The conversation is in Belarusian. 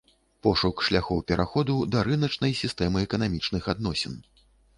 Пошук шляхоў пераходу да рыначнай сістэмы эканамічных адносін.